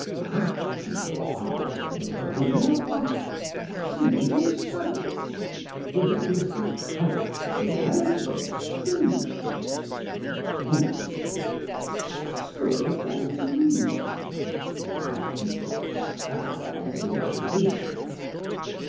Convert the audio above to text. Bad people are, from the point of view of art, fascinating studies. They represent colour, variety and strangeness. Good people exasperate one's reason; bad people stir one's imagination.